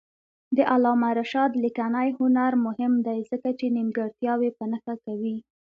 د علامه رشاد لیکنی هنر مهم دی ځکه چې نیمګړتیاوې په نښه کوي.